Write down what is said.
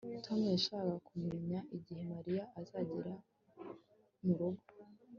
tom yashakaga kumenya igihe mariya azagera murugo